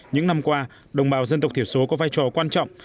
những năm qua đồng bào dân tộc thiểu số có vai trò quan trọng